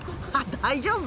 大丈夫？